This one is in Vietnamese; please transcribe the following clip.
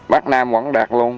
bắt nam quảng đạt luôn